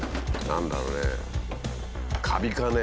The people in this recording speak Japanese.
何だろうね？